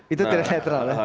itu tidak netral ya